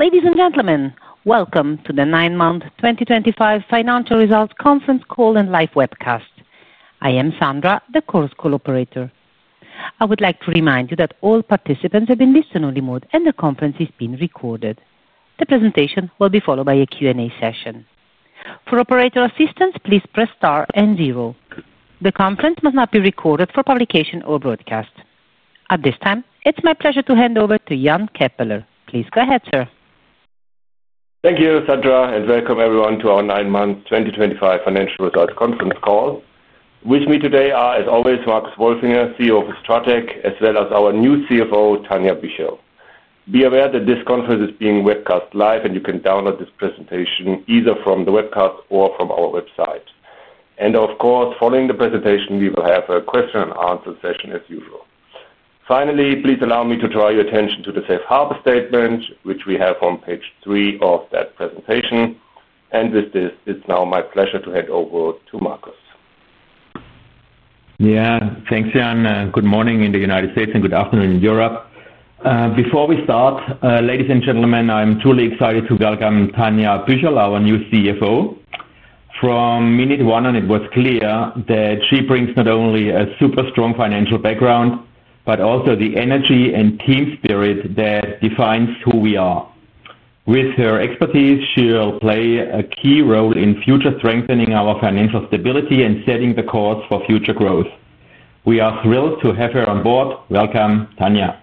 Ladies and gentlemen, welcome to the 9M 2025 financial results conference call and live webcast. I am Sandra, the course co-operator. I would like to remind you that all participants have been listened on remote, and the conference is being recorded. The presentation will be followed by a Q&A session. For operator assistance, please press star and zero. The conference must not be recorded for publication or broadcast. At this time, it's my pleasure to hand over to Jan Keppeler. Please go ahead, sir. Thank you, Sandra, and welcome everyone to our 9M 2025 financial results conference call. With me today are, as always, Marcus Wolfinger, CEO of STRATEC, as well as our new CFO, Tanja Bücherl. Be aware that this conference is being webcast live, and you can download this presentation either from the webcast or from our website. Of course, following the presentation, we will have a question-and-answer session as usual. Finally, please allow me to draw your attention to the safe harbor statement, which we have on page three of that presentation. With this, it's now my pleasure to hand over to Marcus. Yeah, thanks, Jan. Good morning in the United States and good afternoon in Europe. Before we start, ladies and gentlemen, I'm truly excited to welcome Tanja Bücherl, our new CFO. From minute one, it was clear that she brings not only a super strong financial background but also the energy and team spirit that defines who we are. With her expertise, she will play a key role in future strengthening our financial stability and setting the course for future growth. We are thrilled to have her on board. Welcome, Tanja.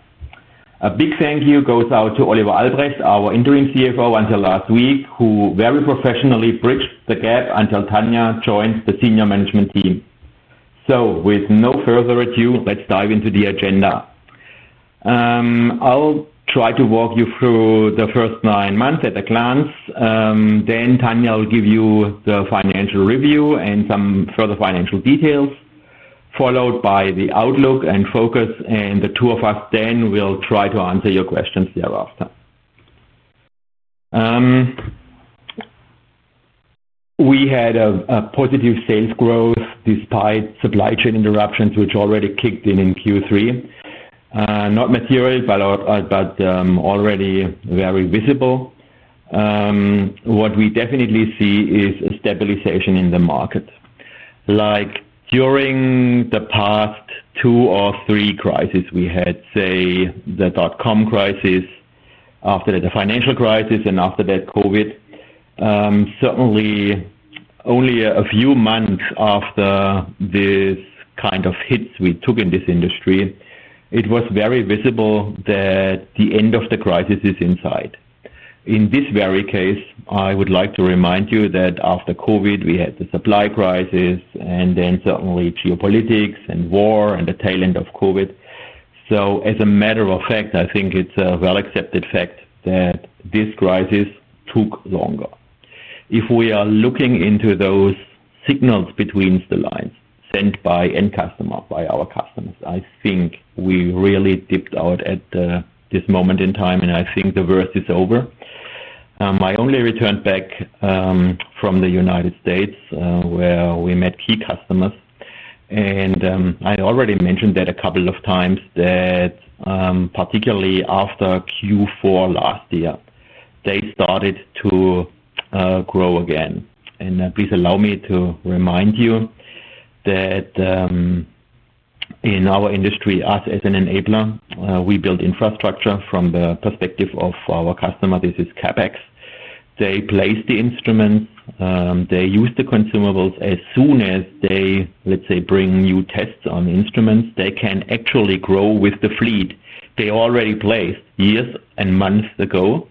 A big thank you goes out to Oliver Albrecht, our interim CFO until last week, who very professionally bridged the gap until Tanja joined the senior management team. With no further ado, let's dive into the agenda. I'll try to walk you through the first nine months at a glance. Tanja will give you the financial review and some further financial details, followed by the outlook and focus, and the two of us then will try to answer your questions thereafter. We had a positive sales growth despite supply chain interruptions, which already kicked in in Q3. Not material, but already very visible. What we definitely see is a stabilization in the market. Like during the past two or three crises, we had, say, the dot-com crisis, after that the financial crisis, and after that COVID, certainly only a few months after these kind of hits we took in this industry, it was very visible that the end of the crisis is in sight. In this very case, I would like to remind you that after COVID, we had the supply crisis, and then certainly geopolitics and war and the tail end of COVID. As a matter of fact, I think it's a well-accepted fact that this crisis took longer. If we are looking into those signals between the lines sent by end customer, by our customers, I think we really dipped out at this moment in time, and I think the worst is over. I only returned back from the United States, where we met key customers. I already mentioned that a couple of times that, particularly after Q4 last year, they started to grow again. Please allow me to remind you that in our industry, us as an enabler, we build infrastructure from the perspective of our customer. This is CapEx. They place the instruments. They use the consumables as soon as they, let's say, bring new tests on instruments. They can actually grow with the fleet they already placed years and months ago,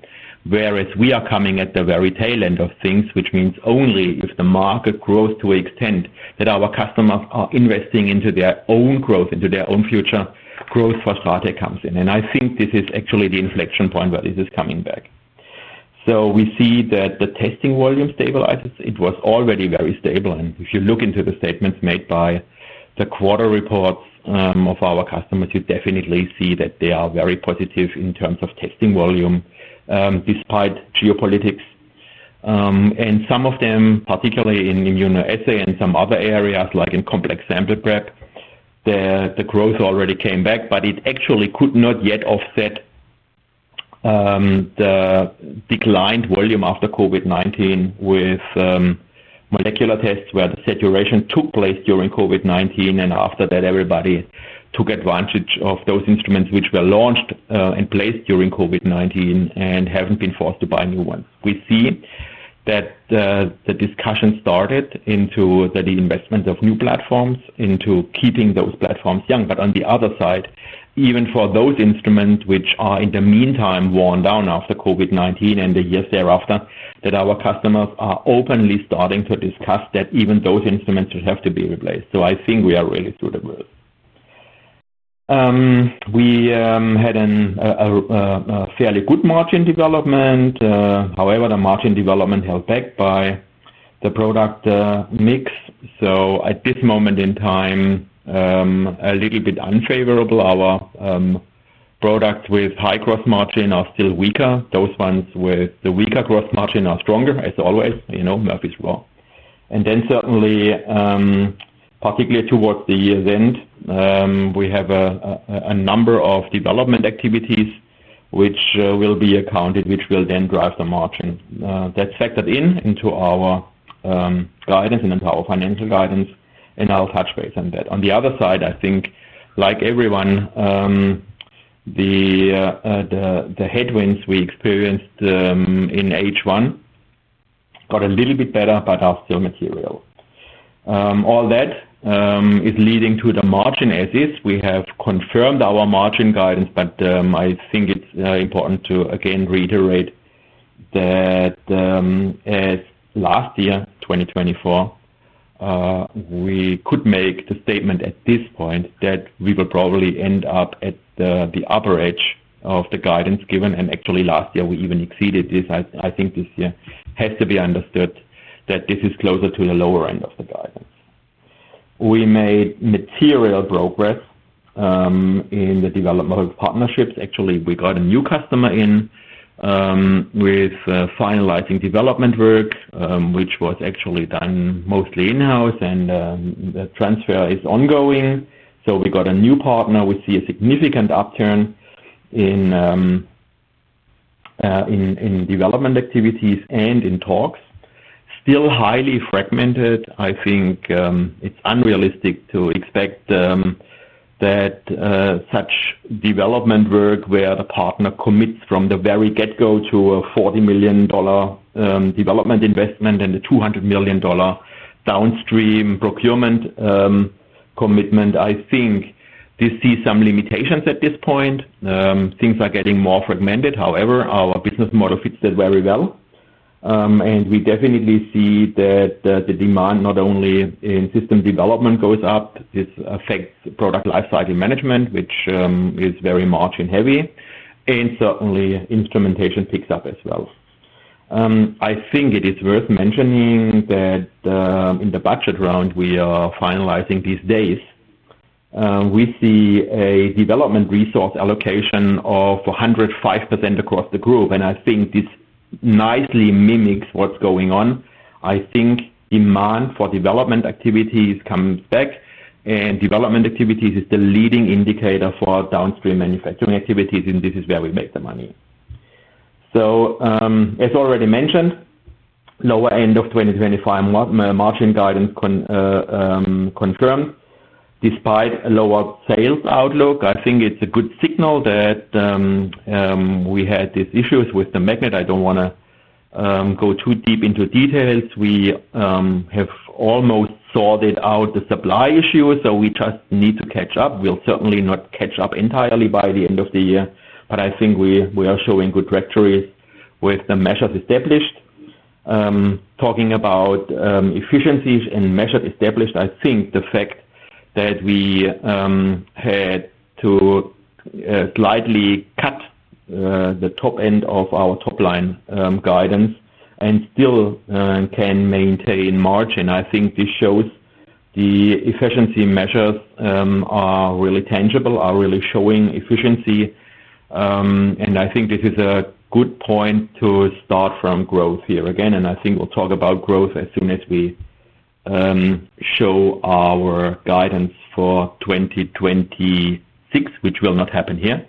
whereas we are coming at the very tail end of things, which means only if the market grows to the extent that our customers are investing into their own growth, into their own future, growth for STRATEC comes in. I think this is actually the inflection point where this is coming back. We see that the testing volume stabilizes. It was already very stable. If you look into the statements made by the quarter reports of our customers, you definitely see that they are very positive in terms of testing volume despite geopolitics. Some of them, particularly in immunoassay and some other areas like in complex sample prep, the growth already came back, but it actually could not yet offset the declined volume after COVID-19 with molecular tests where the saturation took place during COVID-19. After that, everybody took advantage of those instruments which were launched and placed during COVID-19 and have not been forced to buy new ones. We see that the discussion started into the investment of new platforms, into keeping those platforms young. On the other side, even for those instruments which are in the meantime worn down after COVID-19 and the years thereafter, our customers are openly starting to discuss that even those instruments should have to be replaced. I think we are really through the roof. We had a fairly good margin development. However, the margin development was held back by the product mix. At this moment in time, a little bit unfavorable, our products with high gross margin are still weaker. Those ones with the weaker gross margin are stronger, as always. Murphy's Law. Certainly, particularly towards the year's end, we have a number of development activities which will be accounted, which will then drive the margin. That is factored into our guidance and into our financial guidance, and I will touch base on that. On the other side, I think, like everyone, the headwinds we experienced in H1 got a little bit better, but are still material. All that is leading to the margin as is. We have confirmed our margin guidance, but I think it is important to again reiterate that as last year, 2024, we could make the statement at this point that we will probably end up at the upper edge of the guidance given. Last year, we even exceeded this. I think this year has to be understood that this is closer to the lower end of the guidance. We made material progress in the development of partnerships. Actually, we got a new customer in with finalizing development work, which was actually done mostly in-house, and the transfer is ongoing. We got a new partner. We see a significant upturn in development activities and in talks. Still highly fragmented, I think it is unrealistic to expect that such development work where the partner commits from the very get-go to a $40 million development investment and a $200 million downstream procurement commitment, I think this sees some limitations at this point. Things are getting more fragmented. However, our business model fits that very well. We definitely see that the demand not only in system development goes up. This affects product lifecycle management, which is very margin-heavy. Instrumentation picks up as well. I think it is worth mentioning that in the budget round we are finalizing these days, we see a development resource allocation of 105% across the group. I think this nicely mimics what's going on. I think demand for development activities comes back, and development activities is the leading indicator for downstream manufacturing activities, and this is where we make the money. As already mentioned, lower end of 2025 margin guidance confirmed despite a lower sales outlook. I think it's a good signal that we had these issues with the magnet. I don't want to go too deep into details. We have almost sorted out the supply issues, so we just need to catch up. We'll certainly not catch up entirely by the end of the year, but I think we are showing good trajectories with the measures established. Talking about efficiencies and measures established, I think the fact that we had to slightly cut the top end of our top-line guidance and still can maintain margin, I think this shows the efficiency measures are really tangible, are really showing efficiency. I think this is a good point to start from growth here again. I think we'll talk about growth as soon as we show our guidance for 2026, which will not happen here.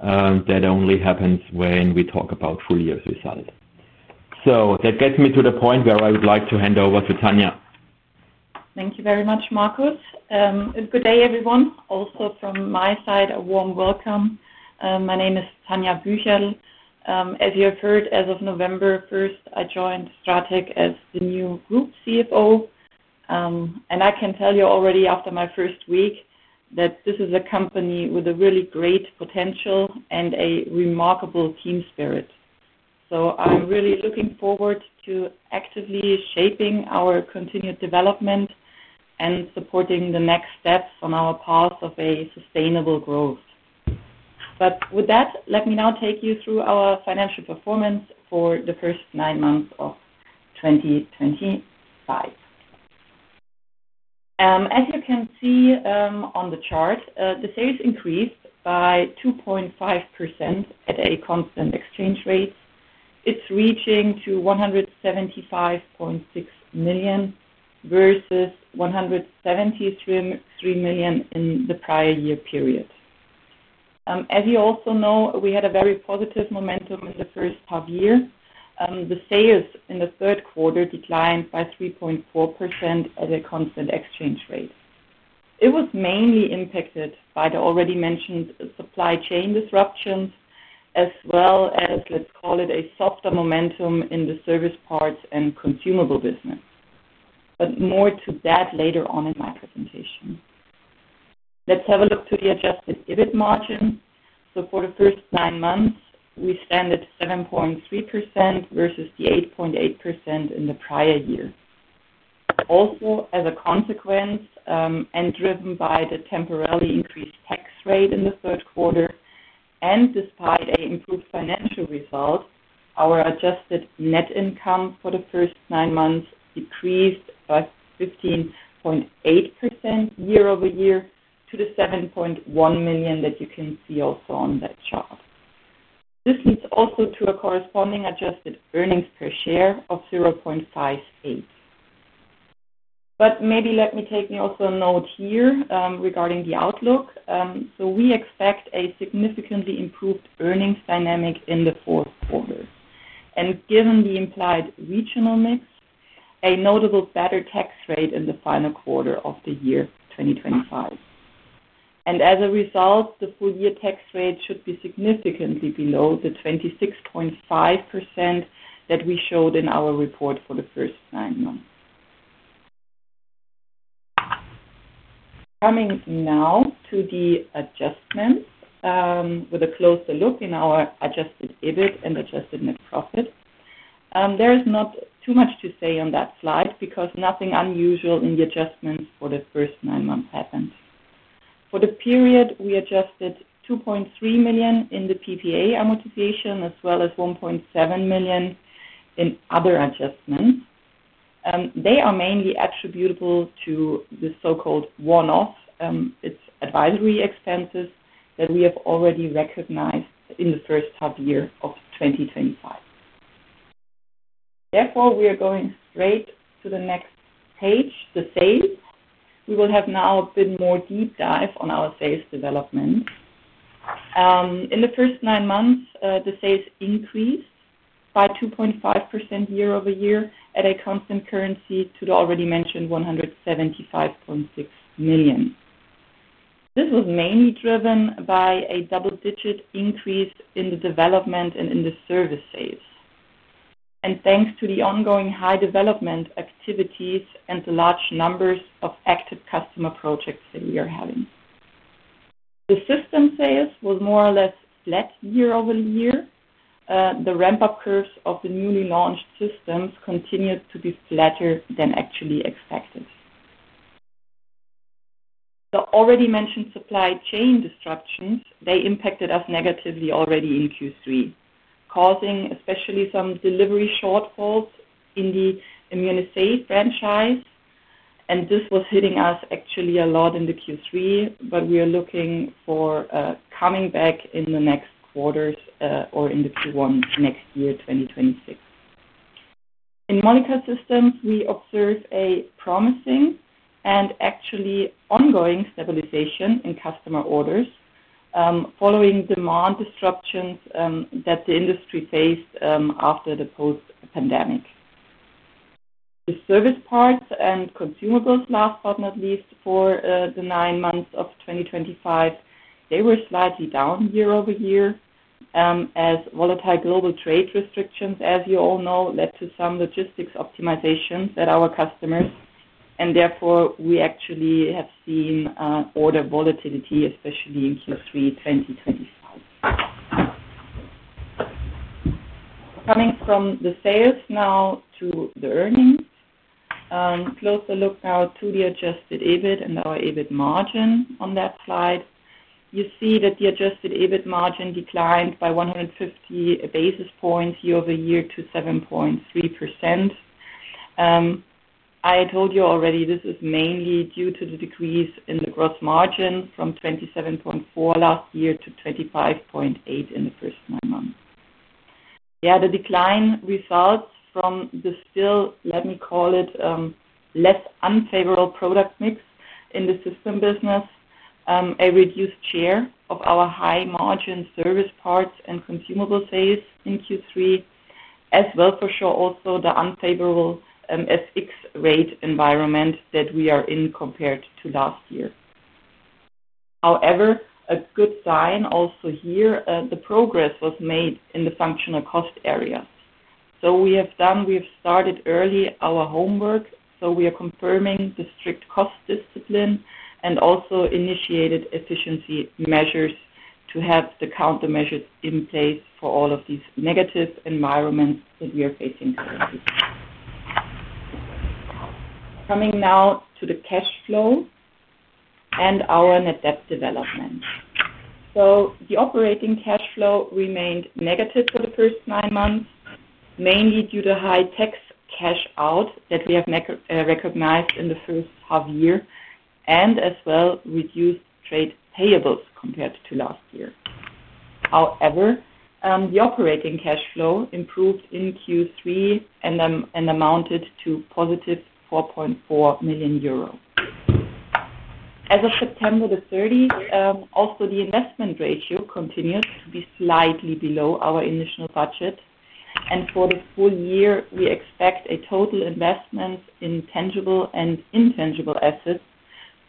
That only happens when we talk about full year's result. That gets me to the point where I would like to hand over to Tanja. Thank you very much, Marcus. A good day, everyone. Also, from my side, a warm welcome. My name is Tanja Bücherl. As you have heard, as of November 1st, I joined STRATEC as the new Group CFO. I can tell you already after my first week that this is a company with really great potential and a remarkable team spirit. I am really looking forward to actively shaping our continued development and supporting the next steps on our path of sustainable growth. With that, let me now take you through our financial performance for the first nine months of 2025. As you can see on the chart, the sales increased by 2.5% at a constant exchange rate, reaching 175.6 million versus 173 million in the prior year period. As you also know, we had very positive momentum in the first half year. The sales in the third quarter declined by 3.4% at a constant exchange rate. It was mainly impacted by the already mentioned supply chain disruptions, as well as, let's call it, a softer momentum in the Service Parts and Consumables business. But more to that later on in my presentation. Let's have a look to the Adjusted EBIT margin. For the first nine months, we stand at 7.3% versus the 8.8% in the prior year. Also, as a consequence and driven by the temporarily increased tax rate in the third quarter, and despite an improved financial result, our adjusted net income for the first nine months decreased by 15.8% year-over-year to the 7.1 million that you can see also on that chart. This leads also to a corresponding adjusted earnings per share of 0.58. But maybe let me take me also a note here regarding the outlook. We expect a significantly improved earnings dynamic in the fourth quarter. Given the implied regional mix, a notably better tax rate in the final quarter of the year 2025. As a result, the full year tax rate should be significantly below the 26.5% that we showed in our report for the first nine months. Coming now to the adjustments with a closer look in our Adjusted EBIT and adjusted net profit. There is not too much to say on that slide because nothing unusual in the adjustments for the first nine months happened. For the period, we adjusted 2.3 million in the PPA amortization, as well as 1.7 million in other adjustments. They are mainly attributable to the so-called one-off. It's advisory expenses that we have already recognized in the first half year of 2025. Therefore, we are going straight to the next page, the sales. We will have now a bit more deep dive on our sales development. In the first nine months, the sales increased by 2.5% year-over-year at a constant currency to the already mentioned 175.6 million. This was mainly driven by a double-digit increase in the development and in the service sales. Thanks to the ongoing high development activities and the large numbers of active customer projects that we are having. The system sales was more or less flat year-over-year. The ramp-up curves of the newly launched systems continued to be flatter than actually expected. The already mentioned supply chain disruptions, they impacted us negatively already in Q3, causing especially some delivery shortfalls in the immunoassay franchise. This was hitting us actually a lot in Q3, but we are looking for a coming back in the next quarters or in Q1 next year, 2026. In analyzer systems, we observe a promising and actually ongoing stabilization in customer orders following demand disruptions that the industry faced after the post-pandemic. The Service Parts and Consumables, last but not least for the nine months of 2025, they were slightly down year-over-year as volatile global trade restrictions, as you all know, led to some logistics optimizations at our customers. Therefore, we actually have seen order volatility, especially in Q3 2025. Coming from the sales now to the earnings, close a look now to the Adjusted EBIT and our EBIT margin on that slide. You see that the Adjusted EBIT margin declined by 150 basis points year-over-year to 7.3%. I told you already this is mainly due to the decrease in the gross margin from 27.4% last year to 25.8% in the first nine months. Yeah, the decline results from the still, let me call it, less unfavorable product mix in the system business, a reduced share of our high-margin service parts and consumables sales in Q3, as well for sure also the unfavorable FX rate environment that we are in compared to last year. However, a good sign also here, the progress was made in the functional cost areas. We have done, we have started early our homework. We are confirming the strict cost discipline and also initiated efficiency measures to have the countermeasures in place for all of these negative environments that we are facing currently. Coming now to the cash flow and our net debt development. The operating cash flow remained negative for the first nine months, mainly due to high tax cash out that we have recognized in the first half year and as well reduced trade payables compared to last year. However, the operating cash flow improved in Q3 and amounted to positive 4.4 million euros. As of September 30, also the investment ratio continues to be slightly below our initial budget. For the full year, we expect a total investment in tangible and intangible assets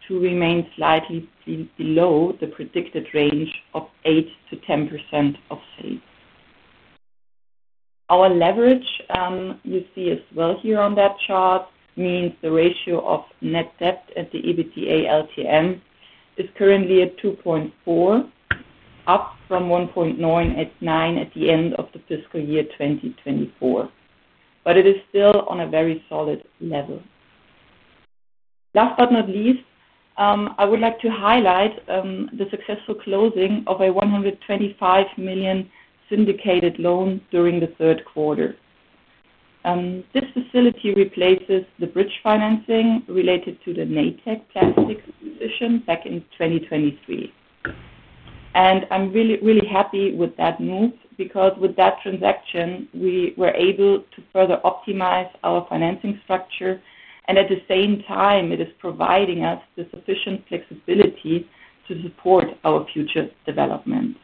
to remain slightly below the predicted range of 8%-10% of sales. Our leverage, you see as well here on that chart, means the ratio of net debt at the EBITDA LTM is currently at 2.4, up from 1.989 at the end of the fiscal year 2024. It is still on a very solid level. Last but not least, I would like to highlight the successful closing of a 125 million syndicated loan during the third quarter. This facility replaces the bridge financing related to the Natech Plastics position back in 2023. I'm really, really happy with that move because with that transaction, we were able to further optimize our financing structure. At the same time, it is providing us the sufficient flexibility to support our future development.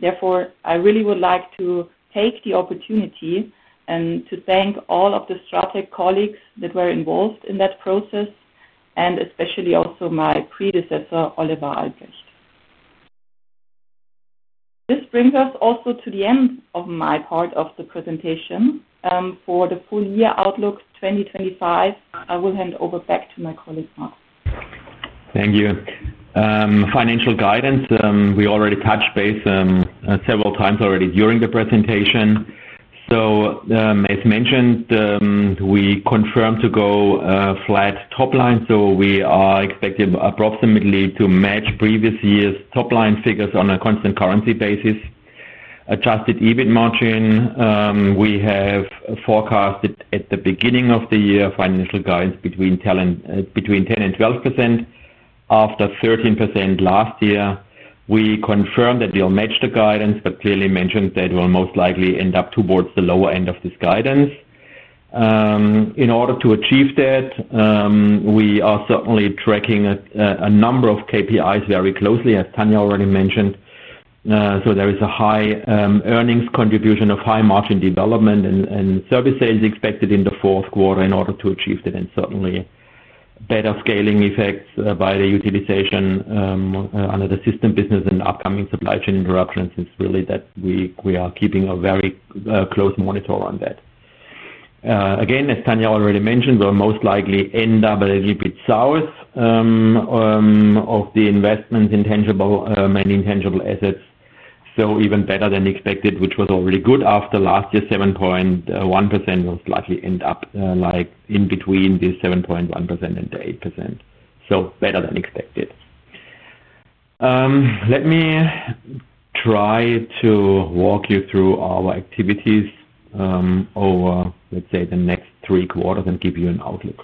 Therefore, I really would like to take the opportunity and to thank all of the STRATEC colleagues that were involved in that process, and especially also my predecessor, Oliver Albrecht. This brings us also to the end of my part of the presentation. For the full year outlook 2025, I will hand over back to my colleague, Marcus. Thank you. Financial guidance, we already touched base several times already during the presentation. As mentioned, we confirmed to go flat top line. We are expected approximately to match previous year's top line figures on a constant currency basis. Adjusted EBIT margin, we have forecasted at the beginning of the year financial guidance between 10%-12%, after 13% last year. We confirmed that we'll match the guidance, but clearly mentioned that we'll most likely end up towards the lower end of this guidance. In order to achieve that, we are certainly tracking a number of KPIs very closely, as Tanja already mentioned. There is a high earnings contribution of high margin development and service sales expected in the fourth quarter in order to achieve that and certainly better scaling effects by the utilization under the system business and upcoming supply chain interruptions. It's really that we are keeping a very close monitor on that. Again, as Tanja already mentioned, we'll most likely end up a little bit south of the investments in many intangible assets. So, even better than expected, which was already good after last year's 7.1%, we'll slightly end up in between the 7.1% and the 8%. So, better than expected. Let me try to walk you through our activities over, let's say, the next three quarters and give you an outlook.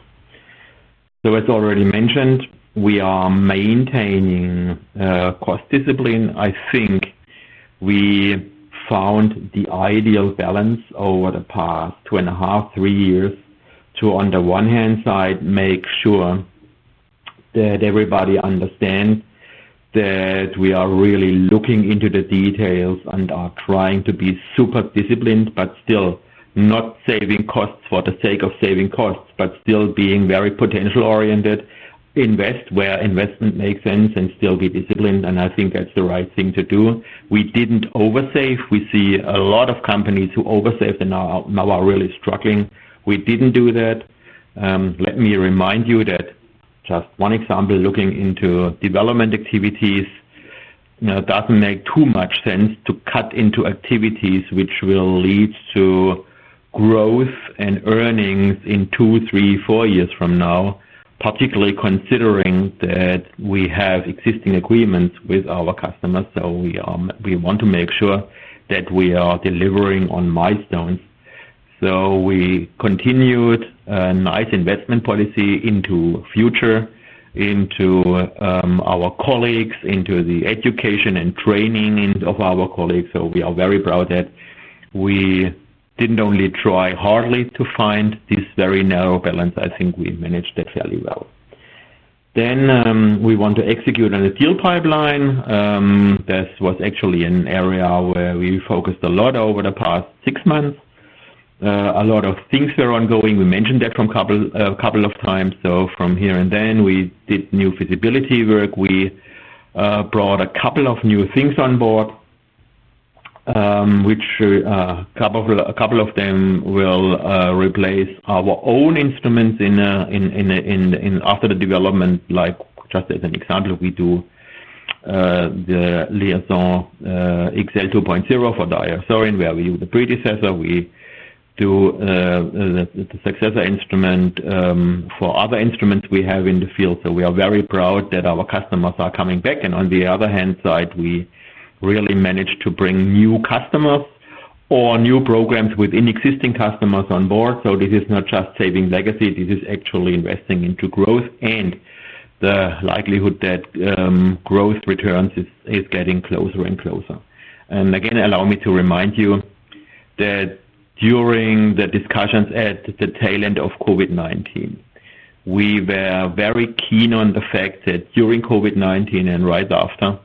So, as already mentioned, we are maintaining cost discipline. I think we found the ideal balance over the past two and a half, three years to, on the one hand side, make sure that everybody understands that we are really looking into the details and are trying to be super disciplined, but still not saving costs for the sake of saving costs, but still being very potential oriented, invest where investment makes sense and still be disciplined. I think that's the right thing to do. We didn't oversave. We see a lot of companies who oversaved and now are really struggling. We didn't do that. Let me remind you that just one example, looking into development activities, it doesn't make too much sense to cut into activities which will lead to growth and earnings in two, three, four years from now, particularly considering that we have existing agreements with our customers. We want to make sure that we are delivering on milestones. We continued a nice investment policy into the future, into our colleagues, into the education and training of our colleagues. We are very proud that we did not only try hardly to find this very narrow balance, I think we managed that fairly well. We want to execute on a deal pipeline. This was actually an area where we focused a lot over the past six months. A lot of things were ongoing. We mentioned that a couple of times. From here and then, we did new feasibility work. We brought a couple of new things on board, which a couple of them will replace our own instruments after the development. Just as an example, we do the LIAISON XL 2.0 for Diasorin, where we use the predecessor. We do the successor instrument for other instruments we have in the field. We are very proud that our customers are coming back. On the other hand side, we really managed to bring new customers or new programs within existing customers on board. This is not just saving legacy. This is actually investing into growth, and the likelihood that growth returns is getting closer and closer. Again, allow me to remind you that during the discussions at the tail end of COVID-19, we were very keen on the fact that during COVID-19 and right after,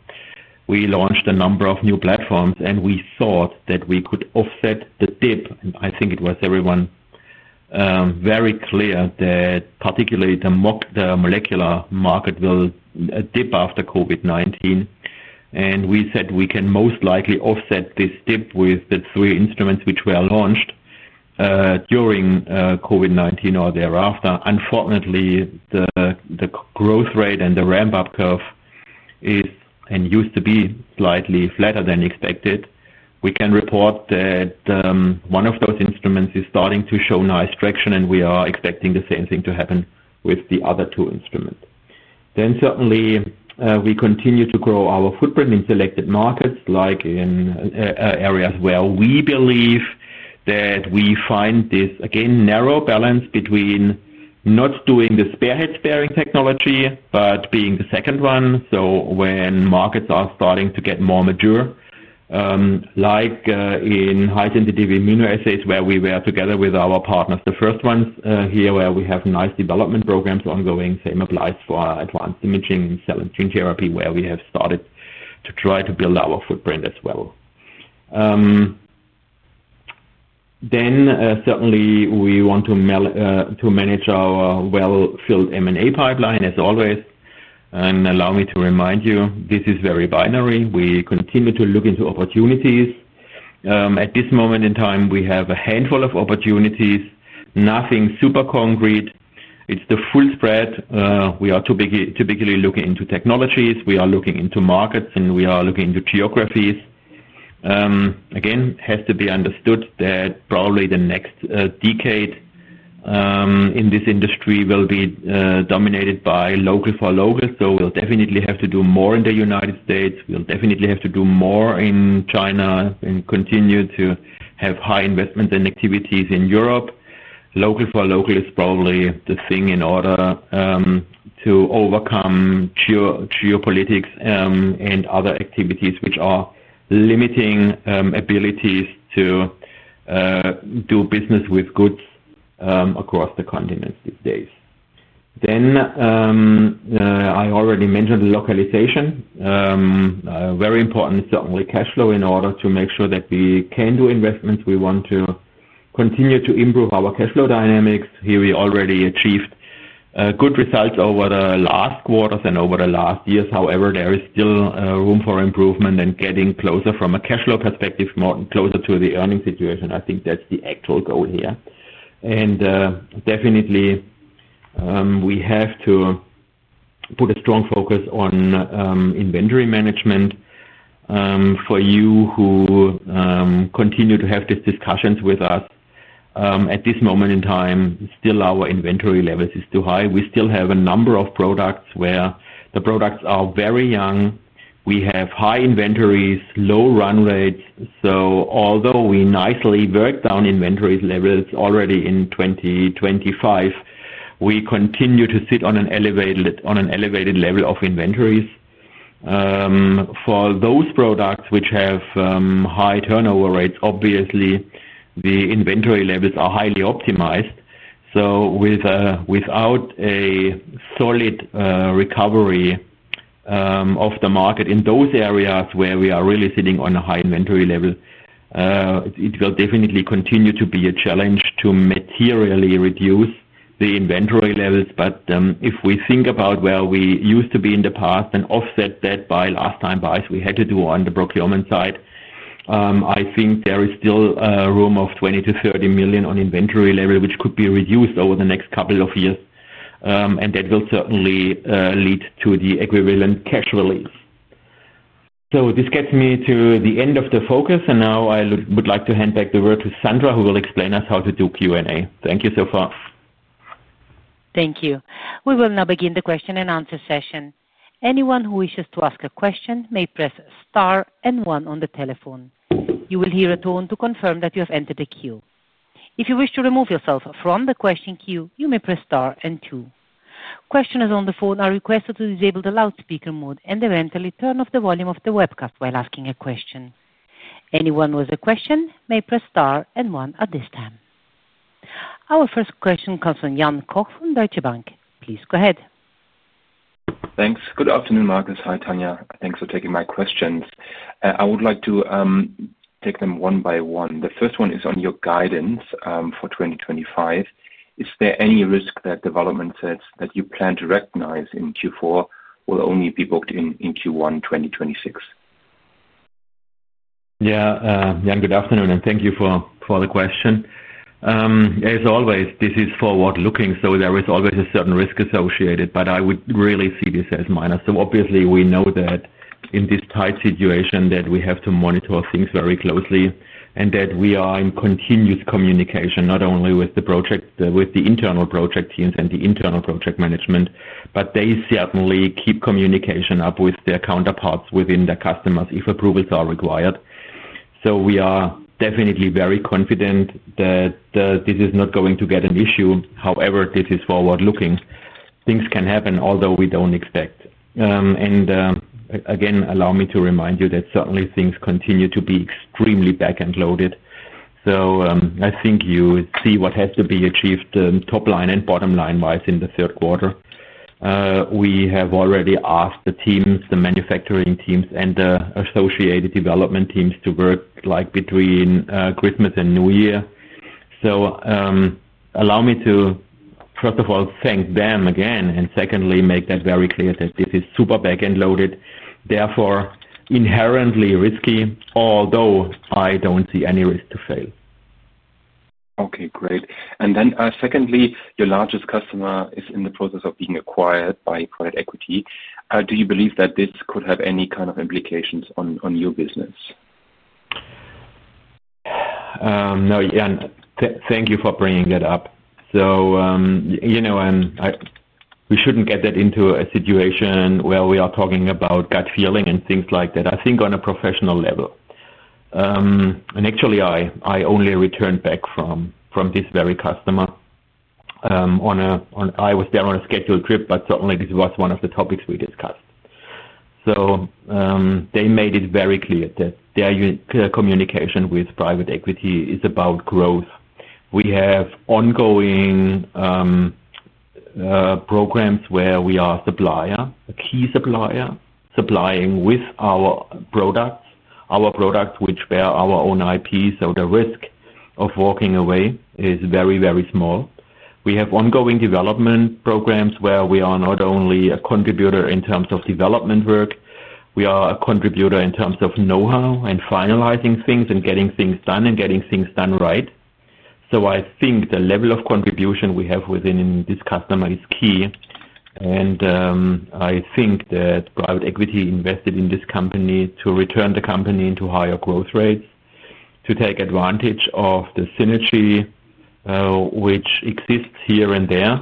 we launched a number of new platforms, and we thought that we could offset the dip. I think it was very clear to everyone that particularly the molecular market will dip after COVID-19. We said we can most likely offset this dip with the three instruments which were launched during COVID-19 or thereafter. Unfortunately, the growth rate and the ramp-up curve is and used to be slightly flatter than expected. We can report that one of those instruments is starting to show nice traction and we are expecting the same thing to happen with the other two instruments. Certainly, we continue to grow our footprint in selected markets, like in areas where we believe that we find this, again, narrow balance between not doing the spare head sparing technology, but being the second one. When markets are starting to get more mature, like in high-sensitive immunoassays, where we were together with our partners, the first ones here where we have nice development programs ongoing, the same applies for advanced imaging and cell and gene therapy, where we have started to try to build our footprint as well. Certainly, we want to manage our well-filled M&A pipeline, as always. Allow me to remind you, this is very binary. We continue to look into opportunities. At this moment in time, we have a handful of opportunities, nothing super concrete. It is the full spread. We are typically looking into technologies. We are looking into markets and we are looking into geographies. Again, it has to be understood that probably the next decade in this industry will be dominated by local for local. We will definitely have to do more in the United States. We'll definitely have to do more in China and continue to have high investments and activities in Europe. Local for local is probably the thing in order to overcome geopolitics and other activities which are limiting abilities to do business with goods across the continents these days. I already mentioned localization. Very important, certainly cash flow in order to make sure that we can do investments. We want to continue to improve our cash flow dynamics. Here, we already achieved good results over the last quarters and over the last years. However, there is still room for improvement and getting closer from a cash flow perspective, closer to the earnings situation. I think that's the actual goal here. We definitely have to put a strong focus on inventory management. For you who continue to have these discussions with us, at this moment in time, still our inventory levels are too high. We still have a number of products where the products are very young. We have high inventories, low run rates. Although we nicely worked down inventory levels already in 2025, we continue to sit on an elevated level of inventories. For those products which have high turnover rates, obviously, the inventory levels are highly optimized. Without a solid recovery of the market in those areas where we are really sitting on a high inventory level, it will definitely continue to be a challenge to materially reduce the inventory levels. If we think about where we used to be in the past and offset that by last time bias we had to do on the procurement side, I think there is still room of 20 million-30 million on inventory level, which could be reduced over the next couple of years. That will certainly lead to the equivalent cash release. This gets me to the end of the focus. Now I would like to hand back the word to Sandra, who will explain us how to do Q&A. Thank you so far. Thank you. We will now begin the question-and-answer session. Anyone who wishes to ask a question may press star and one on the telephone. You will hear a tone to confirm that you have entered the queue. If you wish to remove yourself from the question queue, you may press star and two. Questioners on the phone are requested to disable the loudspeaker mode and eventually turn off the volume of the webcast while asking a question. Anyone with a question may press star and one at this time. Our first question comes from Jan Koch from Deutsche Bank. Please go ahead. Thanks. Good afternoon, Marcus. Hi, Tanja. Thanks for taking my questions. I would like to take them one by one. The first one is on your guidance for 2025. Is there any risk that development sets that you plan to recognize in Q4 will only be booked in Q1 2026? Yeah. Jan, good afternoon, and thank you for the question. As always, this is forward-looking, so there is always a certain risk associated, but I would really see this as minor. Obviously, we know that in this tight situation that we have to monitor things very closely and that we are in continuous communication, not only with the internal project teams and the internal project management, but they certainly keep communication up with their counterparts within their customers if approvals are required. We are definitely very confident that this is not going to get an issue. However, this is forward-looking. Things can happen, although we do not expect. Again, allow me to remind you that certainly things continue to be extremely back-end loaded. I think you see what has to be achieved top line and bottom line-wise in the third quarter. We have already asked the teams, the manufacturing teams, and the associated development teams to work between Christmas and New Year. Allow me to, first of all, thank them again, and secondly, make that very clear that this is super back-end loaded, therefore inherently risky, although I do not see any risk to fail. Okay, great. Secondly, your largest customer is in the process of being acquired by private equity. Do you believe that this could have any kind of implications on your business? No, Jan, thank you for bringing that up. We should not get that into a situation where we are talking about gut feeling and things like that, I think on a professional level. Actually, I only returned back from this very customer. I was there on a scheduled trip, but certainly this was one of the topics we discussed. They made it very clear that their communication with private equity is about growth. We have ongoing programs where we are a key supplier supplying with our products, our products which bear our own IP. The risk of walking away is very, very small. We have ongoing development programs where we are not only a contributor in terms of development work, we are a contributor in terms of know-how and finalizing things and getting things done and getting things done right. I think the level of contribution we have within this customer is key. I think that private equity invested in this company to return the company into higher growth rates, to take advantage of the synergy which exists here and there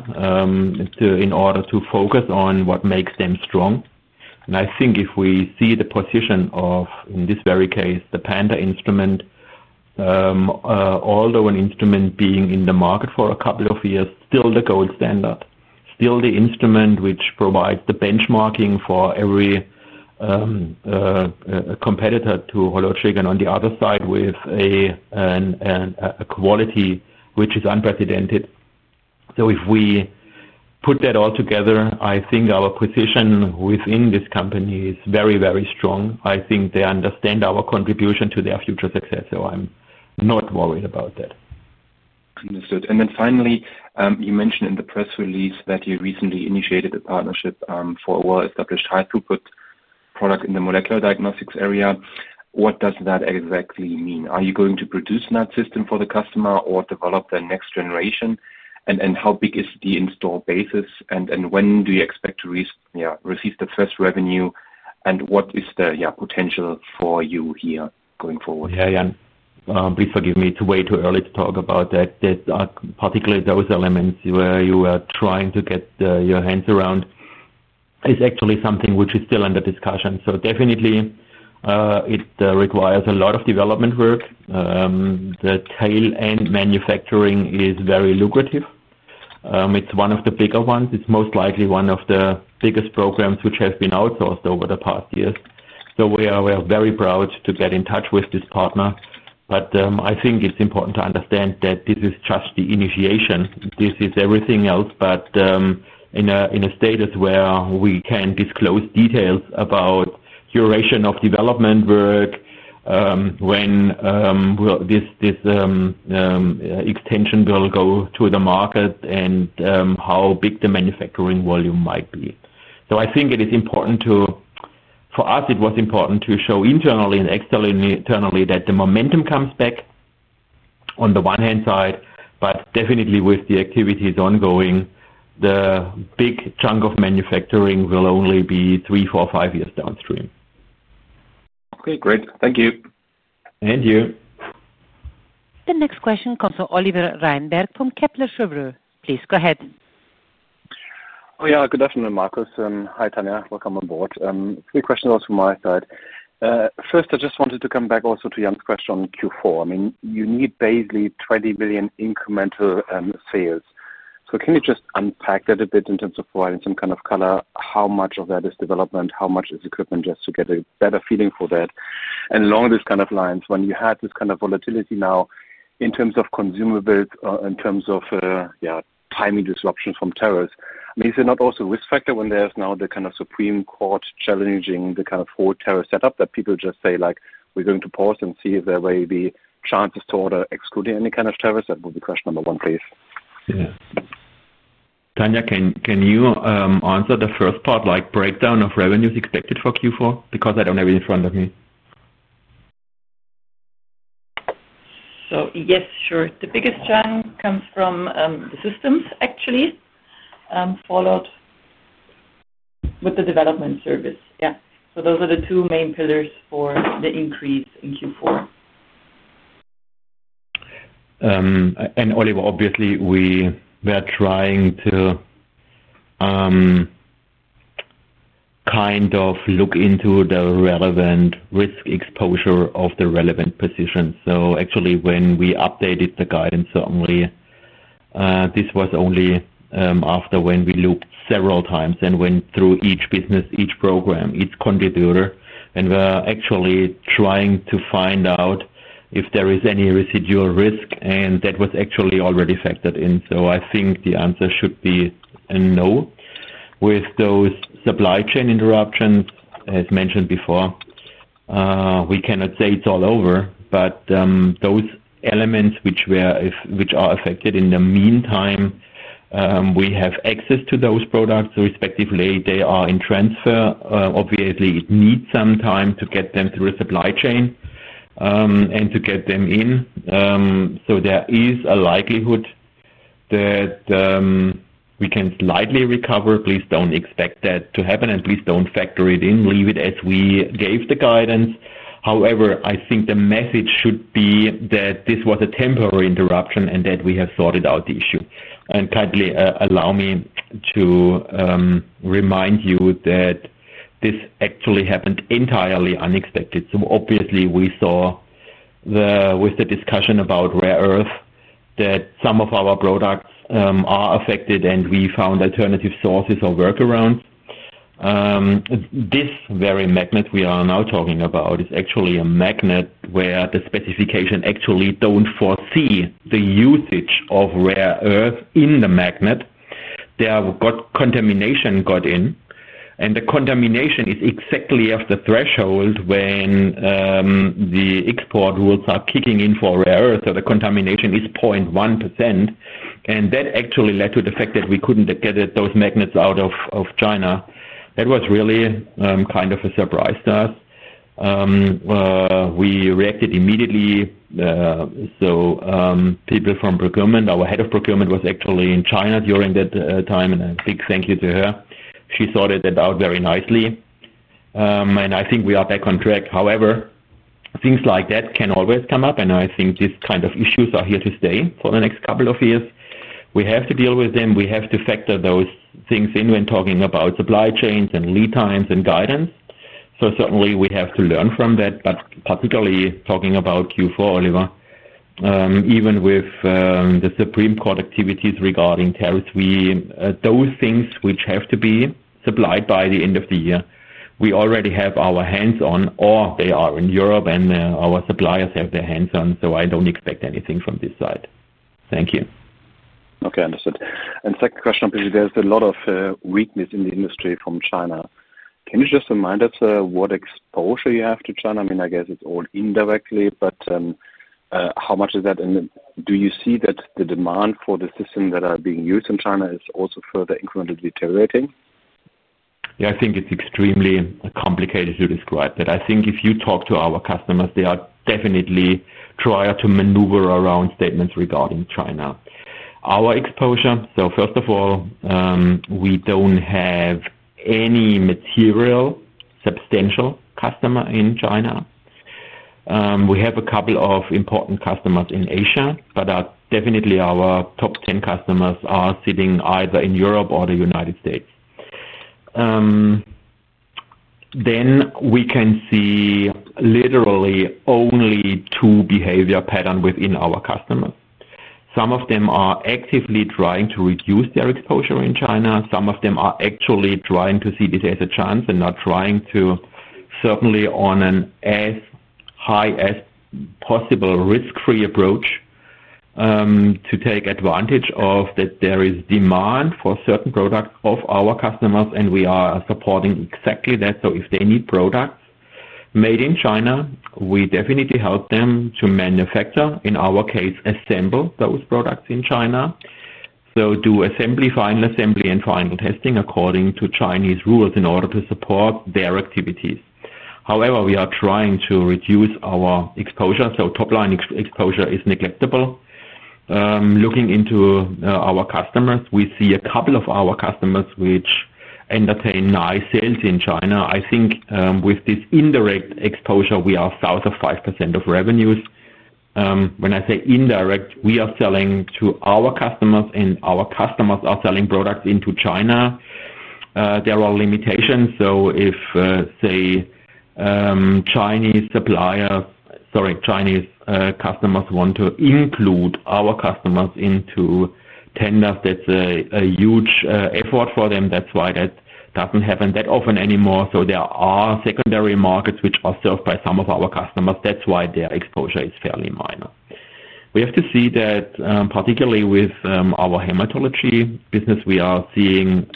in order to focus on what makes them strong. I think if we see the position of, in this very case, the Panda instrument, although an instrument being in the market for a couple of years, still the gold standard, still the instrument which provides the benchmarking for every competitor to Hologic on the other side with a quality which is unprecedented. If we put that all together, I think our position within this company is very, very strong. I think they understand our contribution to their future success, so I'm not worried about that. Understood. Finally, you mentioned in the press release that you recently initiated a partnership for a well-established high-throughput product in the molecular diagnostics area. What does that exactly mean? Are you going to produce that system for the customer or develop the next generation? How big is the in-store basis? When do you expect to receive the first revenue? What is the potential for you here going forward? Yeah, Jan, please forgive me, it's way too early to talk about that. Particularly those elements where you are trying to get your hands around is actually something which is still under discussion. Definitely, it requires a lot of development work. The tail end manufacturing is very lucrative. It's one of the bigger ones. It's most likely one of the biggest programs which have been outsourced over the past years. We are very proud to get in touch with this partner. I think it's important to understand that this is just the initiation. This is everything else, but in a status where we can disclose details about curation of development work, when this extension will go to the market, and how big the manufacturing volume might be. I think it is important to, for us, it was important to show internally and externally that the momentum comes back on the one hand side, but definitely with the activities ongoing, the big chunk of manufacturing will only be three, four, five years downstream. Okay, great. Thank you. Thank you. The next question comes from Oliver Reinberg from Kepler Cheuvreux. Please go ahead. Oh, yeah, good afternoon, Marcus. Hi, Tanja. Welcome on board. Three questions also from my side. First, I just wanted to come back also to Jan's question on Q4. I mean, you need basically 20 million incremental sales. Can you just unpack that a bit in terms of providing some kind of color? How much of that is development? How much is equipment just to get a better feeling for that? Along these kind of lines, when you had this kind of volatility now in terms of consumables, in terms of timing disruptions from tariffs, is there not also a risk factor when there's now the kind of Supreme Court challenging the kind of whole tariff setup that people just say, like, "We're going to pause and see if there may be chances to order excluding any kind of tariffs"? That would be question number one, please. Yeah. Tanja, can you answer the first part, like breakdown of revenues expected for Q4? Because I don't have it in front of me. Yes, sure. The biggest challenge comes from the systems, actually, followed with the development service. Yeah. Those are the two main pillars for the increase in Q4. Oliver, obviously, we were trying to kind of look into the relevant risk exposure of the relevant positions. Actually, when we updated the guidance, certainly, this was only after we looked several times and went through each business, each program, each contributor. We were actually trying to find out if there is any residual risk, and that was actually already factored in. I think the answer should be a no. With those supply chain interruptions, as mentioned before, we cannot say it's all over. Those elements which are affected in the meantime, we have access to those products. Respectively, they are in transfer. Obviously, it needs some time to get them through a supply chain and to get them in. There is a likelihood that we can slightly recover. Please do not expect that to happen, and please do not factor it in. Leave it as we gave the guidance. However, I think the message should be that this was a temporary interruption and that we have sorted out the issue. Kindly allow me to remind you that this actually happened entirely unexpected. Obviously, we saw with the discussion about rare earth that some of our products are affected, and we found alternative sources or workarounds. This very magnet we are now talking about is actually a magnet where the specification actually does not foresee the usage of rare earth in the magnet. There, contamination got in, and the contamination is exactly at the threshold when the export rules are kicking in for rare earth. The contamination is 0.1%. That actually led to the fact that we could not get those magnets out of China. That was really kind of a surprise to us. We reacted immediately. People from procurement, our Head of Procurement was actually in China during that time, and a big thank you to her. She sorted that out very nicely. I think we are back on track. However, things like that can always come up, and I think these kind of issues are here to stay for the next couple of years. We have to deal with them. We have to factor those things in when talking about supply chains and lead times and guidance. Certainly, we have to learn from that. Particularly talking about Q4, Oliver, even with the Supreme Court activities regarding tariffs, those things which have to be supplied by the end of the year, we already have our hands on, or they are in Europe, and our suppliers have their hands on. I do not expect anything from this side. Thank you. Okay, understood. Second question, because there is a lot of weakness in the industry from China. Can you just remind us what exposure you have to China? I mean, I guess it is all indirectly, but how much is that? Do you see that the demand for the systems that are being used in China is also further incrementally deteriorating? Yeah, I think it's extremely complicated to describe that. I think if you talk to our customers, they are definitely trying to maneuver around statements regarding China. Our exposure, so first of all, we don't have any material substantial customer in China. We have a couple of important customers in Asia, but definitely our top 10 customers are sitting either in Europe or the United States. We can see literally only two behavior patterns within our customers. Some of them are actively trying to reduce their exposure in China. Some of them are actually trying to see this as a chance and not trying to, certainly on an as high as possible risk-free approach, to take advantage of that there is demand for certain products of our customers, and we are supporting exactly that. If they need products made in China, we definitely help them to manufacture, in our case, assemble those products in China. We do assembly, final assembly, and final testing according to Chinese rules in order to support their activities. However, we are trying to reduce our exposure. Top line exposure is neglected. Looking into our customers, we see a couple of our customers which entertain nice sales in China. I think with this indirect exposure, we are south of 5% of revenues. When I say indirect, we are selling to our customers, and our customers are selling products into China. There are limitations. If, say, Chinese customers want to include our customers into tenders, that is a huge effort for them. That does not happen that often anymore. There are secondary markets which are served by some of our customers. That's why their exposure is fairly minor. We have to see that, particularly with our hematology business, we are seeing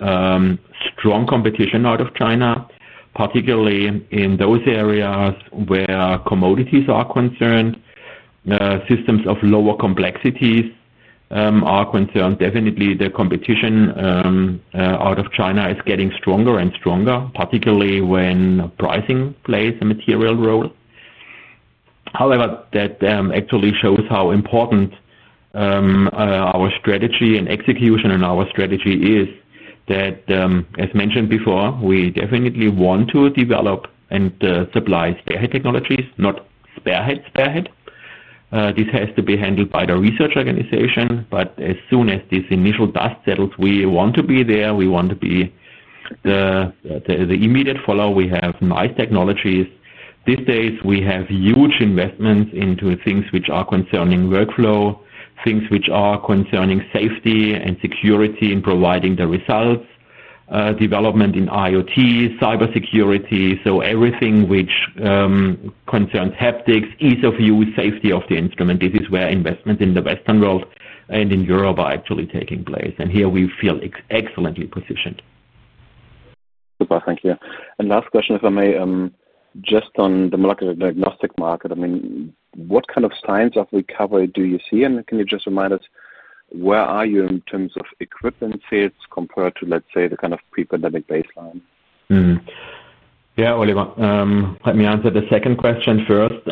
strong competition out of China, particularly in those areas where commodities are concerned. Systems of lower complexities are concerned. Definitely, the competition out of China is getting stronger and stronger, particularly when pricing plays a material role. However, that actually shows how important our strategy and execution and our strategy is that, as mentioned before, we definitely want to develop and supply spare head technologies, not spare head, spare head. This has to be handled by the research organization. But as soon as this initial dust settles, we want to be there. We want to be the immediate follow. We have nice technologies. These days, we have huge investments into things which are concerning workflow, things which are concerning safety and security in providing the results, development in IoT, cybersecurity. Everything which concerns haptics, ease of use, safety of the instrument. This is where investments in the Western world and in Europe are actually taking place. Here, we feel excellently positioned. Super. Thank you. Last question, if I may, just on the molecular diagnostic market. I mean, what kind of signs of recovery do you see? Can you just remind us where are you in terms of equipment sales compared to, let's say, the kind of pre-pandemic baseline? Yeah, Oliver, let me answer the second question first. We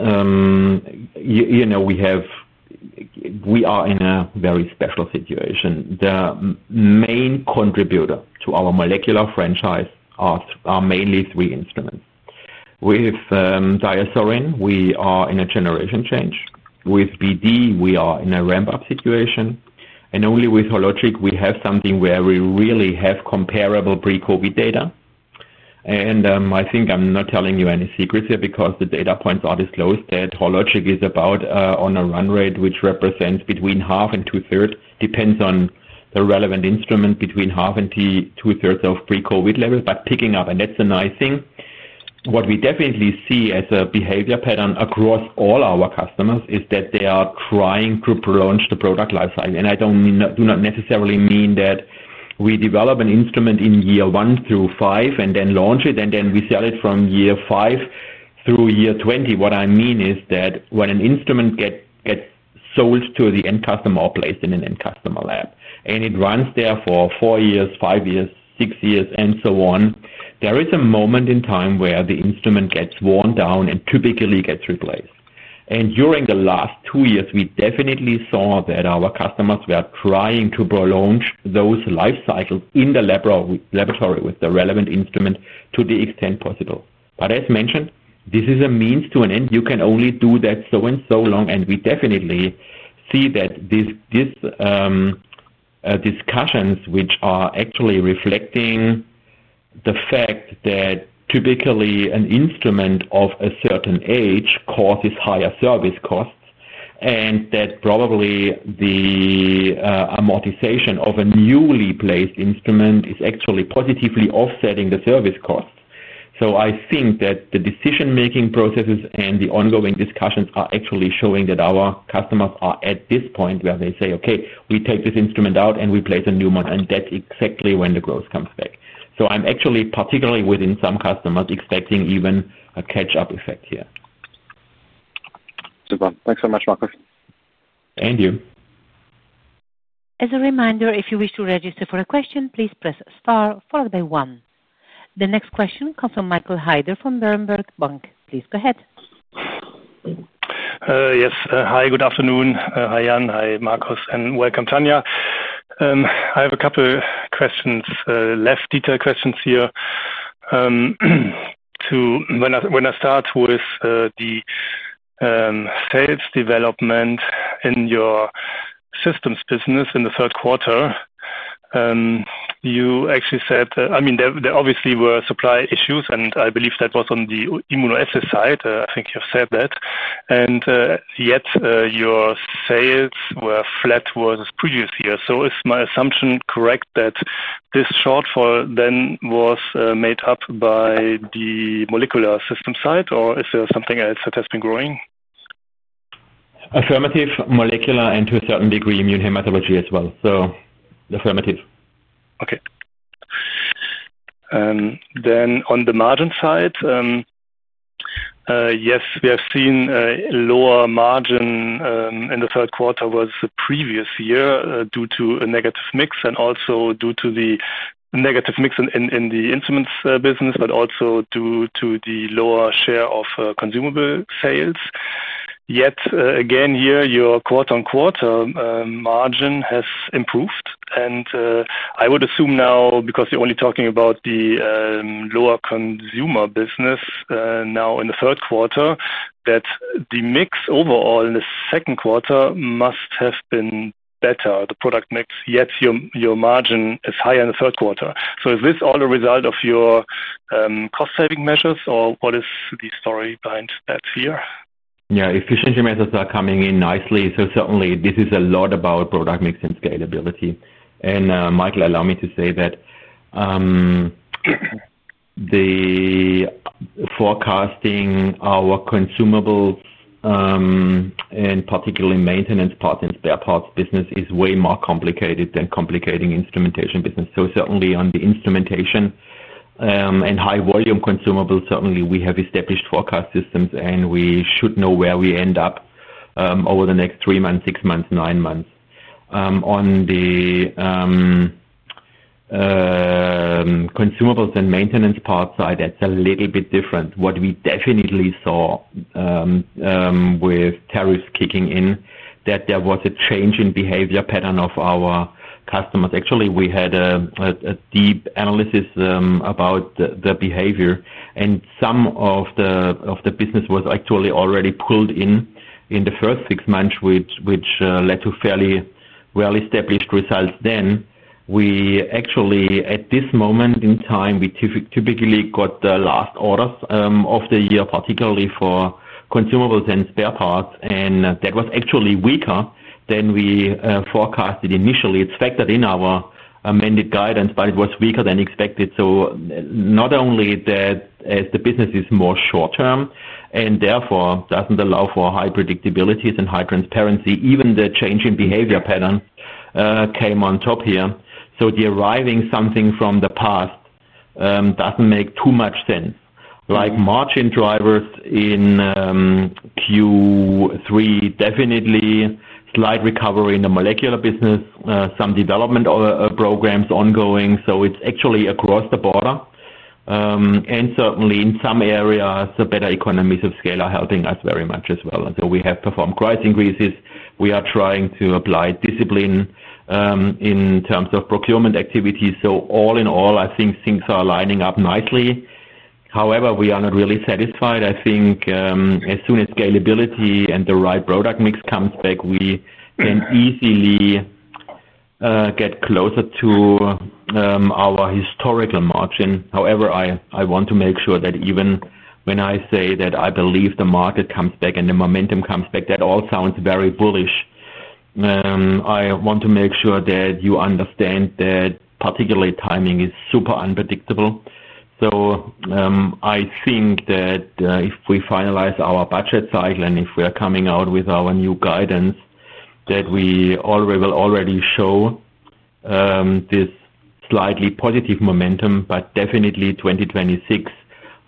are in a very special situation. The main contributor to our molecular franchise are mainly three instruments. With Diasorin, we are in a generation change. With BD, we are in a ramp-up situation. Only with Hologic, we have something where we really have comparable pre-COVID data. I think I'm not telling you any secrets here because the data points are disclosed that Hologic is about on a run rate which represents between half and two-thirds, depends on the relevant instrument, between half and two-thirds of pre-COVID levels, but picking up. That's a nice thing. What we definitely see as a behavior pattern across all our customers is that they are trying to launch the product lifecycle. I do not necessarily mean that we develop an instrument in year one through five and then launch it, and then we sell it from year five through year 20. What I mean is that when an instrument gets sold to the end customer or placed in an end customer lab, and it runs there for four years, five years, six years, and so on, there is a moment in time where the instrument gets worn down and typically gets replaced. During the last two years, we definitely saw that our customers were trying to prolong those lifecycles in the laboratory with the relevant instrument to the extent possible. As mentioned, this is a means to an end. You can only do that so and so long. We definitely see that these discussions, which are actually reflecting the fact that typically an instrument of a certain age causes higher service costs, and that probably the amortization of a newly placed instrument is actually positively offsetting the service costs. I think that the decision-making processes and the ongoing discussions are actually showing that our customers are at this point where they say, "Okay, we take this instrument out and we place a new one," and that's exactly when the growth comes back. I'm actually particularly within some customers expecting even a catch-up effect here. Super. Thanks so much, Marcus. Thank you. As a reminder, if you wish to register for a question, please press star followed by one. The next question comes from Michael Heider from Berenberg Bank. Please go ahead. Yes. Hi, good afternoon. Hi, Jan. Hi, Marcus. And welcome, Tanja. I have a couple of questions left, detailed questions here. When I start with the sales development in your systems business in the third quarter, you actually said, I mean, there obviously were supply issues, and I believe that was on the immunoassay side. I think you have said that. Yet, your sales were flat versus previous year. Is my assumption correct that this shortfall then was made up by the molecular system side, or is there something else that has been growing? Affirmative. Molecular and to a certain degree immune hematology as well. Affirmative. Okay. On the margin side, yes, we have seen lower margin in the third quarter versus the previous year due to a negative mix and also due to the negative mix in the instruments business, but also due to the lower share of consumable sales. Yet, again, here, your quarter-on-quarter margin has improved. I would assume now, because you're only talking about the lower consumable business now in the third quarter, that the mix overall in the second quarter must have been better, the product mix. Yet, your margin is higher in the third quarter. Is this all a result of your cost-saving measures, or what is the story behind that here? Yeah, efficient methods are coming in nicely. Certainly, this is a lot about product mix and scalability. Michael, allow me to say that forecasting our consumables and particularly maintenance parts and spare parts business is way more complicated than the instrumentation business. Certainly, on the instrumentation and high-volume consumables, we have established forecast systems, and we should know where we end up over the next three months, six months, nine months. On the consumables and maintenance part side, that's a little bit different. What we definitely saw with tariffs kicking in is that there was a change in behavior pattern of our customers. Actually, we had a deep analysis about the behavior, and some of the business was actually already pulled in in the first six months, which led to fairly well-established results then. We actually, at this moment in time, we typically got the last orders of the year, particularly for consumables and spare parts, and that was actually weaker than we forecasted initially. It is factored in our amended guidance, but it was weaker than expected. Not only that, as the business is more short-term and therefore does not allow for high predictabilities and high transparency, even the change in behavior pattern came on top here. The arriving something from the past does not make too much sense. Like margin drivers in Q3, definitely slight recovery in the molecular business, some development programs ongoing. It is actually across the border. Certainly, in some areas, the better economies of scale are helping us very much as well. We have performed price increases. We are trying to apply discipline in terms of procurement activity. All in all, I think things are lining up nicely. However, we are not really satisfied. I think as soon as scalability and the right product mix comes back, we can easily get closer to our historical margin. However, I want to make sure that even when I say that I believe the market comes back and the momentum comes back, that all sounds very bullish. I want to make sure that you understand that particularly timing is super unpredictable. I think that if we finalize our budget cycle and if we are coming out with our new guidance, we will already show this slightly positive momentum, but definitely 2026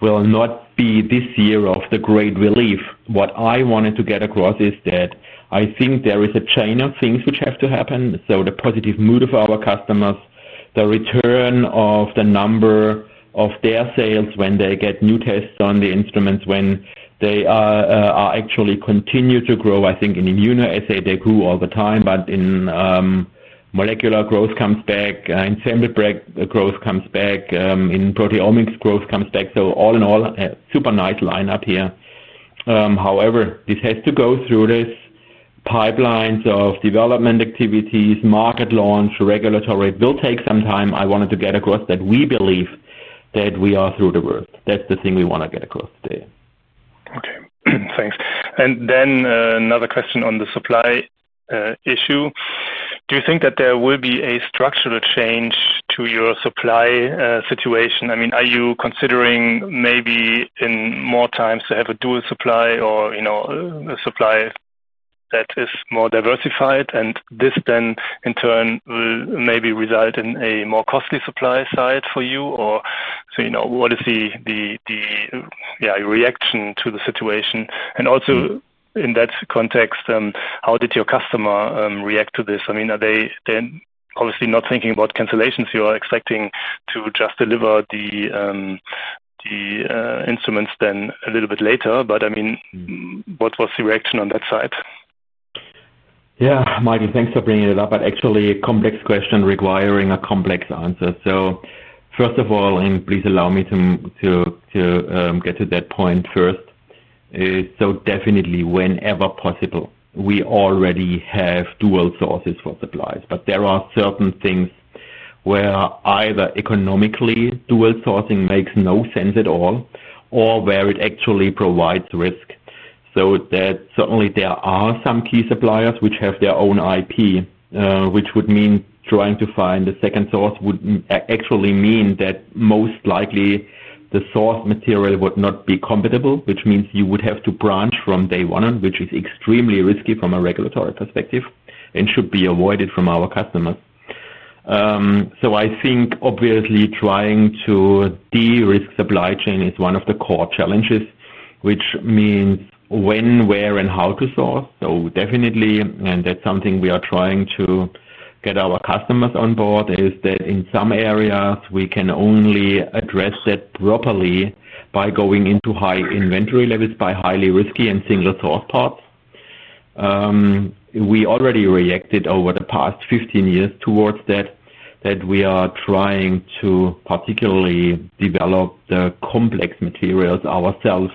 will not be this year of the great relief. What I wanted to get across is that I think there is a chain of things which have to happen. The positive mood of our customers, the return of the number of their sales when they get new tests on the instruments, when they are actually continued to grow. I think in immunoassay, they grew all the time, but in molecular growth comes back, ensemble growth comes back, in proteomics growth comes back. All in all, a super nice lineup here. However, this has to go through these pipelines of development activities, market launch, regulatory. It will take some time. I wanted to get across that we believe that we are through the work. That's the thing we want to get across today. Okay. Thanks. Another question on the supply issue. Do you think that there will be a structural change to your supply situation? I mean, are you considering maybe in more times to have a dual supply or a supply that is more diversified? This then, in turn, will maybe result in a more costly supply side for you? What is the reaction to the situation? Also, in that context, how did your customer react to this? I mean, are they obviously not thinking about cancellations? You are expecting to just deliver the instruments then a little bit later. I mean, what was the reaction on that side? Yeah, Mike, thanks for bringing it up. Actually, a complex question requiring a complex answer. First of all, and please allow me to get to that point first. Definitely, whenever possible, we already have dual sources for suppliers. There are certain things where either economically dual sourcing makes no sense at all or where it actually provides risk. Certainly, there are some key suppliers which have their own IP, which would mean trying to find a second source would actually mean that most likely the source material would not be compatible, which means you would have to branch from day one, which is extremely risky from a regulatory perspective and should be avoided from our customers. I think obviously trying to de-risk supply chain is one of the core challenges, which means when, where, and how to source. Definitely, and that's something we are trying to get our customers on board, is that in some areas, we can only address that properly by going into high inventory levels by highly risky and single-source parts. We already reacted over the past 15 years towards that, that we are trying to particularly develop the complex materials ourselves,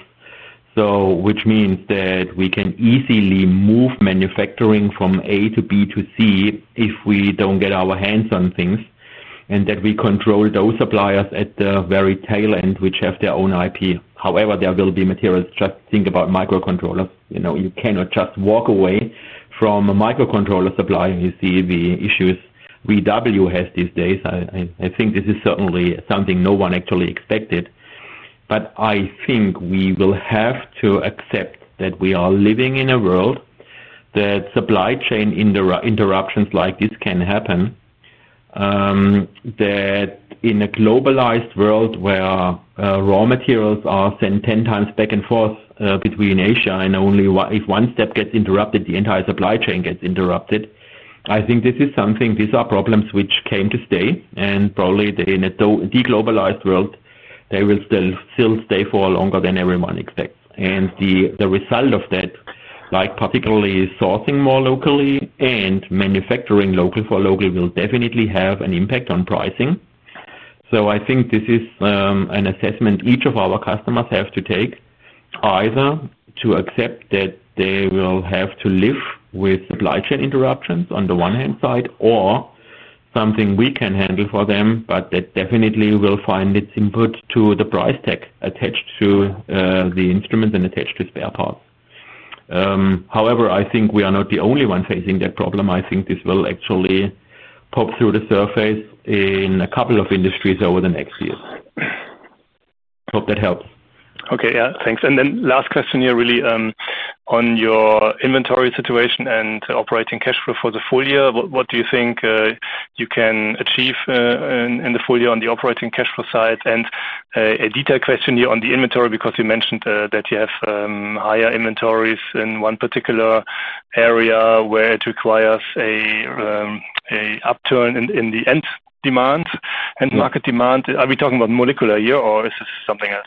which means that we can easily move manufacturing from A to B to C if we don't get our hands on things, and that we control those suppliers at the very tail end, which have their own IP. However, there will be materials. Just think about microcontrollers. You cannot just walk away from a microcontroller supply and you see the issues VW has these days. I think this is certainly something no one actually expected. I think we will have to accept that we are living in a world that supply chain interruptions like this can happen, that in a globalized world where raw materials are sent 10 times back and forth between Asia and only if one step gets interrupted, the entire supply chain gets interrupted. I think this is something, these are problems which came to stay. Probably in a deglobalized world, they will still stay for longer than everyone expects. The result of that, like particularly sourcing more locally and manufacturing local for local, will definitely have an impact on pricing. I think this is an assessment each of our customers have to take either to accept that they will have to live with supply chain interruptions on the one hand side or something we can handle for them, but that definitely will find its input to the price tag attached to the instruments and attached to spare parts. However, I think we are not the only one facing that problem. I think this will actually pop through the surface in a couple of industries over the next year. Hope that helps. Okay. Yeah. Thanks. Then last question here, really, on your inventory situation and operating cash flow for the full year. What do you think you can achieve in the full year on the operating cash flow side? A detailed question here on the inventory, because you mentioned that you have higher inventories in one particular area where it requires an upturn in the end demand and market demand. Are we talking about molecular here, or is this something else?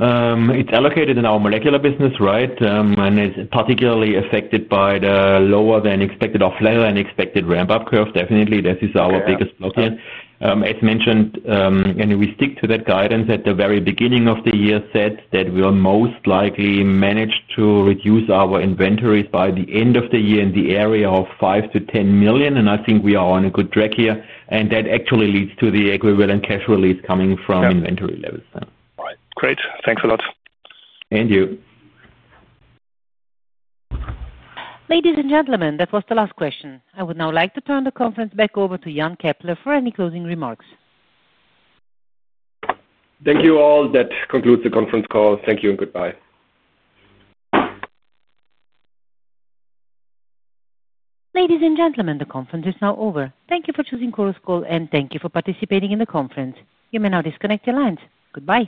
is allocated in our molecular business, right? It is particularly affected by the lower than expected or flatter than expected ramp-up curve. Definitely, this is our biggest block here. As mentioned, we stick to that guidance at the very beginning of the year, said that we will most likely manage to reduce our inventories by the end of the year in the area of 5 million-10 million. I think we are on a good track here. That actually leads to the equivalent cash release coming from inventory levels. All right. Great. Thanks a lot. Thank you. Ladies and gentlemen, that was the last question. I would now like to turn the conference back over to Jan Keppeler for any closing remarks. Thank you all. That concludes the conference call. Thank you and goodbye. Ladies and gentlemen, the conference is now over. Thank you for choosing Chorus Call, and thank you for participating in the conference. You may now disconnect your lines. Goodbye.